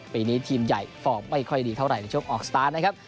ปีนี้ทีมใหญ่ฟอร์มไม่ค่อยดีเท่าไหร่ในช่วงออกสตาร์ทนะครับ